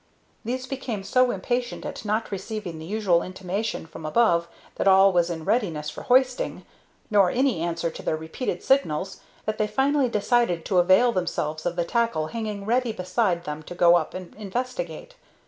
These became so impatient at not receiving the usual intimation from above that all was in readiness for hoisting, nor any answer to their repeated signals, that they finally decided to avail themselves of the tackle hanging ready beside them to go up and investigate.